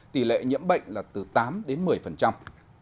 tỷ lệ nhiễm bệnh là từ tám đến một mươi